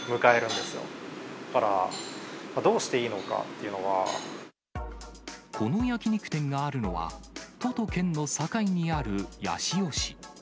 だから、この焼き肉店があるのは、都と県の境にある八潮市。